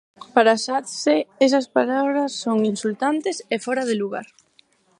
Para Satse, esas palabras son "insultantes e fóra de lugar".